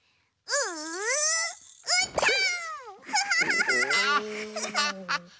うん。